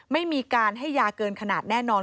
ไม่มีการให้ยาเกินขนาดแน่นอน